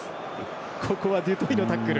ここはデュトイのタックル。